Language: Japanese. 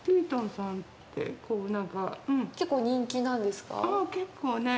結構人気なんですか？